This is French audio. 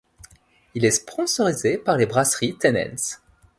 Il est sponsorisé par les brasseries Tennent's.